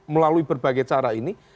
melalui berbagai cara ini